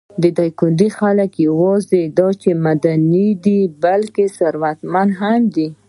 د دايکندي خلک نه یواځې دا چې معدني دي، بلکې ثروتمنده هم دي.